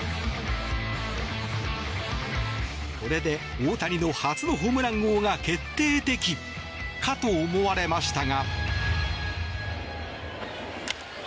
これで大谷の初のホームラン王が決定的かと思われましたが。